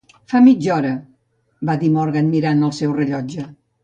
"Fa mitja hora", va dir Morgan, mirant el seu rellotge.